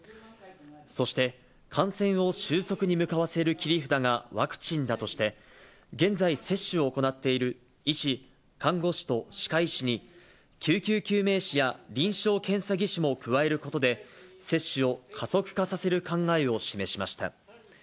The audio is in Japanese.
そして、感染を収束に向かわせる切り札がワクチンだとして、現在、接種を行っている医師、看護師と歯科医師に、救急救命士や臨床検査技師も加えることで、接種を加速化させる考えを示しました。